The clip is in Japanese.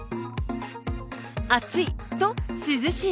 暑いと涼しい。